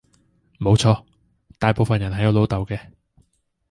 冇錯，大部份人係有老豆嘅